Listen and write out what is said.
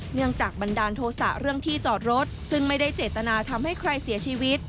จากบันดาลโทษะเรื่องที่จอดรถซึ่งไม่ได้เจตนาทำให้ใครเสียชีวิต